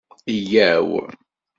Yya-w!